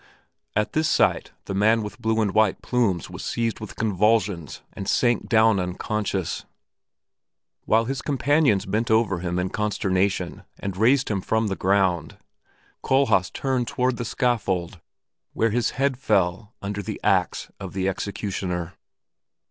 At this sight the man with blue and white plumes was seized with convulsions and sank down unconscious. While his companions bent over him in consternation and raised him from the ground, Kohlhaas turned toward the scaffold, where his head fell under the axe of the executioner.